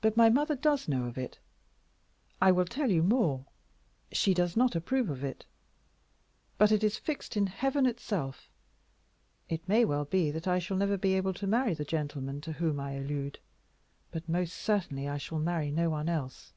But my mother does know of it. I will tell you more; she does not approve of it. But it is fixed in Heaven itself. It may well be that I shall never be able to marry the gentleman to whom I allude, but most certainly I shall marry no one else.